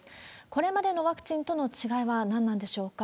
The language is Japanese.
これまでのワクチンとの違いは何なんでしょうか。